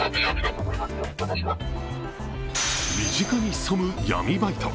身近に潜む闇バイト。